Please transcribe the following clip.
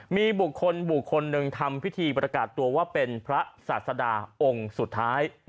มีบุคคลบุคคลหนึ่งทำพิธีประกาศตัวว่าเป็นพระศาสดาองค์สุดท้าย